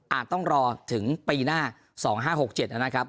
ต้องรอถึงปีหน้า๒๕๖๗นะครับ